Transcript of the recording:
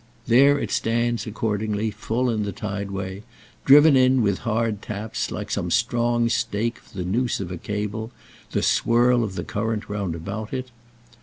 There it stands, accordingly, full in the tideway; driven in, with hard taps, like some strong stake for the noose of a cable, the swirl of the current roundabout it.